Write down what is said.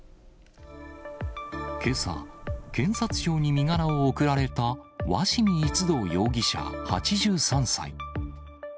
けさ、検察庁に身柄を送られた鷲見一道容疑者８３歳。